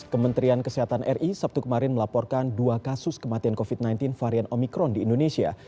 kementerian kesehatan ri sabtu kemarin melaporkan dua kasus kematian covid sembilan belas varian omikron di indonesia